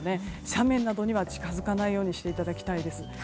斜面などには近づかないようにしていただきたいです。